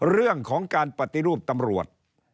เรื่องของการปฏิรูปตำรวจ